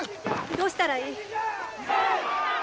どうしたらいい？